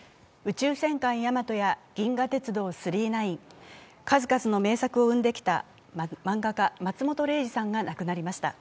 「宇宙戦艦ヤマト」や「銀河鉄道９９９」、数々の名作を生んできた漫画家・松本零士さんが亡くなりました。